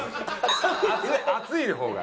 熱い方が。